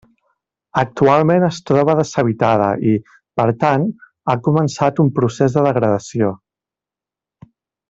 Actualment es troba deshabitada i, per tant, ha començat un procés de degradació.